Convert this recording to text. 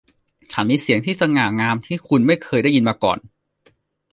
ฉันมีเสียงที่สง่างามที่คุณไม่เคยได้ยินมาก่อน